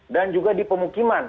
dan juga di pemukiman